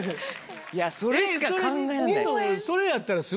いやそれしか考えらんない。